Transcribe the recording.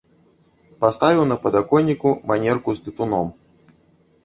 Паставіў на падаконніку манерку з тытуном.